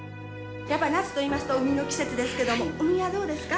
やっぱり夏といいますと海の季節ですけども海はどうですか？